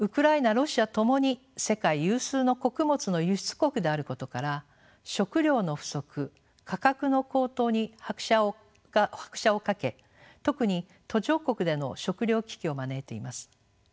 ロシアともに世界有数の穀物の輸出国であることから食糧の不足価格の高騰に拍車をかけ特に途上国での食料危機を招いています。